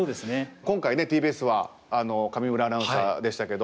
今回ねＴＢＳは上村アナウンサーでしたけども。